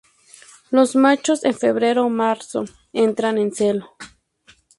Los machos en febrero-marzo entran en celo.